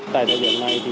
tại thời điểm này